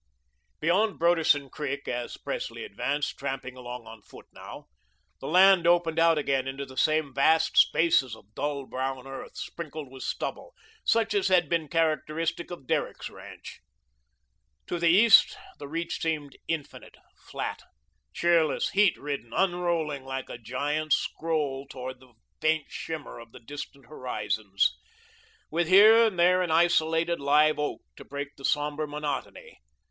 Beyond Broderson Creek, as Presley advanced, tramping along on foot now, the land opened out again into the same vast spaces of dull brown earth, sprinkled with stubble, such as had been characteristic of Derrick's ranch. To the east the reach seemed infinite, flat, cheerless, heat ridden, unrolling like a gigantic scroll toward the faint shimmer of the distant horizons, with here and there an isolated live oak to break the sombre monotony.